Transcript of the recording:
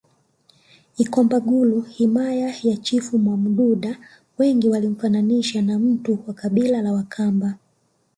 Ikombagulu himaya ya chifu Mwamududa Wengi walimfananisha na mtu wa kabila la wakamba